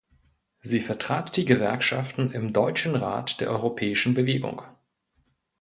Sie vertrat die Gewerkschaften im „Deutschen Rat der Europäischen Bewegung“.